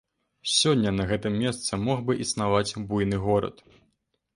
Сёння на гэтым месцы мог бы існаваць буйны горад.